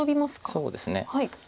そうですね。